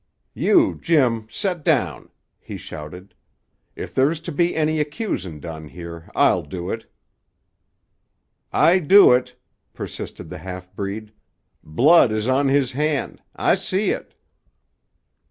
"You, Jim, set down!" he shouted. "If there's to be any accusin' done here, I'll do it." "I do it," persisted the half breed. "Blood is on his han'. I see it."